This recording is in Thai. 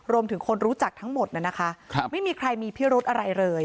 รวมถึงคนรู้จักทั้งหมดน่ะนะคะไม่มีใครมีพิรุธอะไรเลย